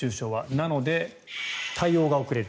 なので、対応が遅れる。